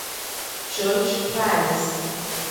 George Price.